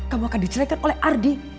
kamu akan diceritakan oleh ardi